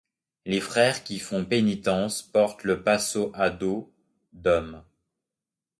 Les frères qui font pénitence portent le Paso à dos d'homme.